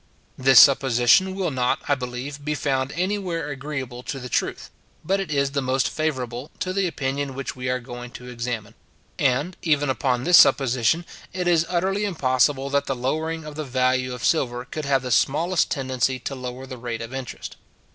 This supposition will not, I believe, be found anywhere agreeable to the truth; but it is the most favourable to the opinion which we are going to examine; and, even upon this supposition, it is utterly impossible that the lowering of the value of silver could have the smallest tendency to lower the rate of interest.